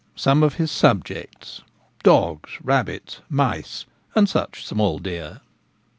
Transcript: SOME OF HIS SUBJECTS: DOGS, RABBITS, 'MICE, AND SUCH SMALL DEER.